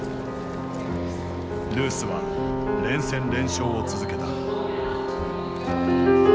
ルースは連戦連勝を続けた。